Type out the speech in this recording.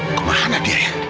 aku mahana dia ya